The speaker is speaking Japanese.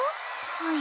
はい。